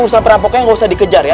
urusan perampoknya ga usah dikejar ya